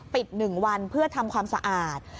๑วันเพื่อทำความสะอาด